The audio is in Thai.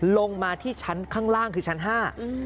ลงมาที่ชั้นข้างล่างคือชั้นห้า